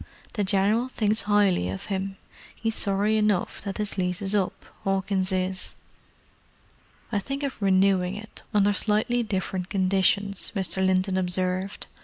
The General thinks 'ighly of 'im. 'E's sorry enough that 'is lease is up, 'Awkins is." "I think of renewing it, under slightly different conditions," Mr. Linton observed.